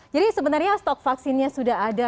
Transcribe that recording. jadi sebenarnya stok vaksinnya sudah ada